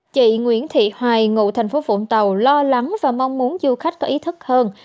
chị nguyễn thị hoài ngụ thành phố vũng tàu lo lắng và mong muốn du khách có ý thức hơn